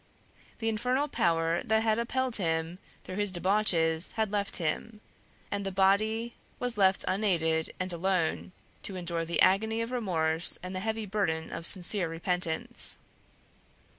The infernal power that had upheld him through his debauches had left him, and the body was left unaided and alone to endure the agony of remorse and the heavy burden of sincere repentance.